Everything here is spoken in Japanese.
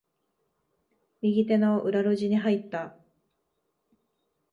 右手の裏路地に入った。